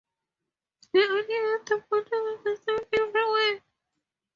The idea at the bottom is the same everywhere.